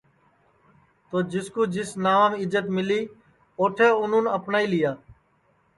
تو جس کُو جس ناوم عزت ملی اوٹھے اُنونے اپنائی لیا